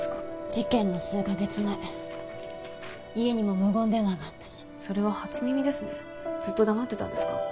事件の数カ月前家にも無言電話があったしそれは初耳ですねずっと黙ってたんですか？